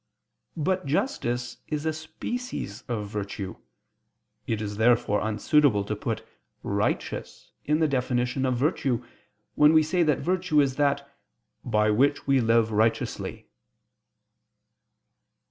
But justice is a species of virtue. It is therefore unsuitable to put "righteous" in the definition of virtue, when we say that virtue is that "by which we live righteously."